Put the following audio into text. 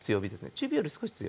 中火より少し強め。